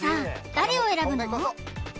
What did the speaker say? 誰を選ぶの？